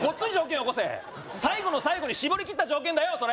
よこせ最後の最後に絞りきった条件だよそれ！